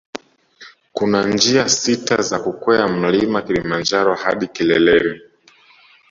Kuna njia sita za kukwea mlima Kilimanjaro hadi kileleni